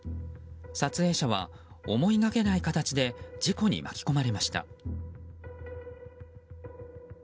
撮影者は、思いがけない形で事故に巻き込まれました。